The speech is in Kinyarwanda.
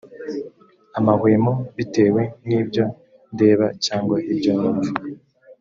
amahwemo bitewe n ibyo ndeba cyangwa ibyo numva